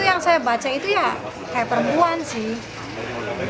yang saya baca itu ya kayak perempuan sih